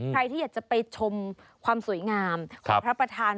ใครที่อยากจะไปชมความสวยงามของพระประธาน